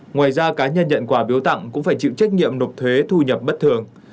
ngoài ra cá nhân nhận quà biếu tặng cũng phải chịu trách nhiệm nộp thuế thu nhập bất thường